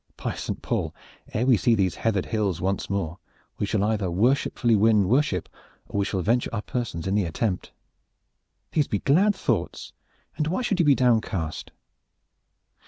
By Saint Paul! ere we see these heather hills once more we shall either worshipfully win worship, or we shall venture our persons in the attempt. These be glad thoughts, and why should you be downcast?"